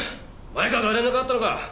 前川から連絡はあったのか？